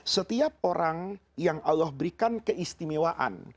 setiap orang yang allah berikan keistimewaan